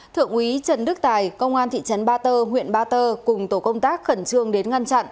thượng úy trần đức tài công an thị trấn ba tơ huyện ba tơ cùng tổ công tác khẩn trương đến ngăn chặn